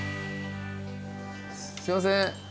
すいません